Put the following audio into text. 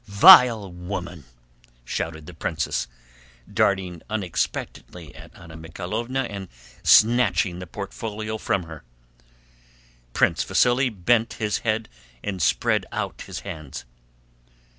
"Vile woman!" shouted the princess, darting unexpectedly at Anna Mikháylovna and snatching the portfolio from her. Prince Vasíli bent his head and spread out his hands.